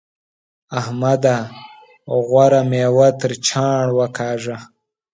احمده! غوره مېوه تر چاڼ وکاږه.